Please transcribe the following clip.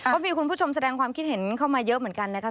ก็มีคุณผู้ชมแสดงความคิดเห็นเข้ามาเยอะเหมือนกันนะคะ